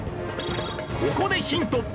ここでヒント